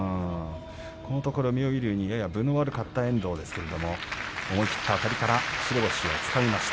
このところ妙義龍にやや分の悪かった遠藤ですけれども思い切ったあたりから白星をつかみました。